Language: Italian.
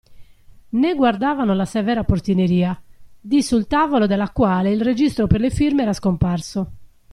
Ne guardavano la severa portineria, di sul tavolo della quale il registro per le firme era scomparso.